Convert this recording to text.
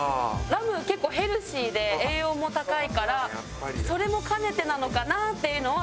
ラム結構ヘルシーで栄養も高いからそれも兼ねてなのかなっていうのは今思うと。